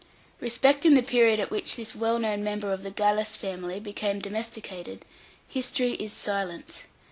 Respecting the period at which this well known member of the Gallus family became domesticated, history is silent.